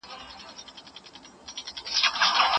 پښتو یوازي ژبه نه ده، بلکي یو لوی کلتور دی